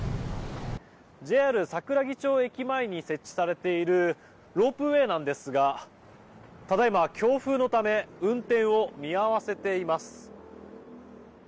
ＪＲ桜木町駅前に設置されているロープウェーなんですがただ今、強風のため運転を見合わせています。